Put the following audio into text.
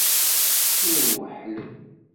Llan weḥḥlen.